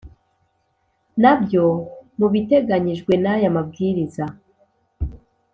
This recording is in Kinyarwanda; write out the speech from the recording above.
nabyo mu biteganyijwe n aya mabwiriza